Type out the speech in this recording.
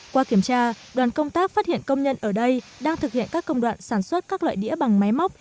qua kiểm tra đoàn công tác phát hiện công nhân ở đây đang thực hiện các công đoạn sản xuất các loại đĩa bằng máy móc